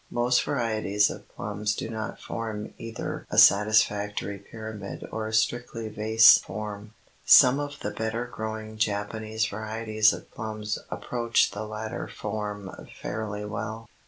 Most varieties of plums do not form either a satisfactory pyramid or a strictly vase form. Some of the better growing Japanese varieties of plums approach the latter form fairly well.